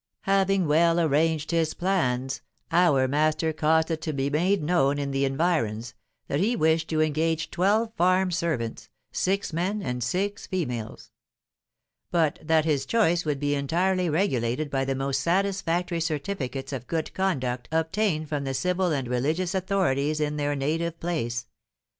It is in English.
"Having well arranged his plans, our master caused it to be made known in the environs that he wished to engage twelve farm servants, six men and six females; but that his choice would be entirely regulated by the most satisfactory certificates of good conduct obtained from the civil and religious authorities in their native place.